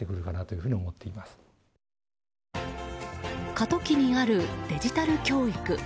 過渡期にあるデジタル教育。